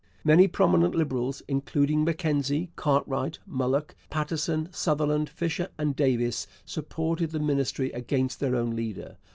Many prominent Liberals including Mackenzie, Cartwright, Mulock, Paterson, Sutherland, Fisher, and Davies supported the Ministry against their own leader.